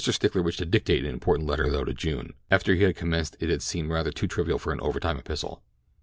Stickler wished to dictate an "important letter," though to June, after he had commenced it it seemed rather too trivial for an overtime epistle.